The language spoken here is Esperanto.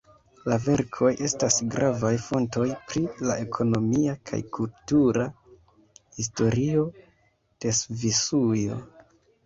La verkoj estas gravaj fontoj pri la ekonomia kaj kultura historio de Svisujo.